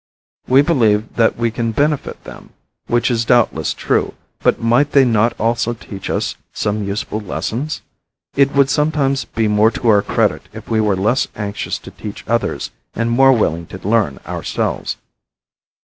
We believe that we can benefit them, which is doubtless true, but might they not also teach us some useful lessons? It would sometimes be more to our credit if we were less anxious to teach others, and more willing to learn ourselves.